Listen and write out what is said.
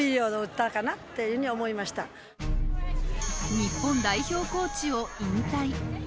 日本代表コーチを引退。